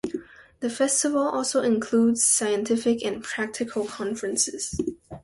The festival also includes scientific and practical conferences.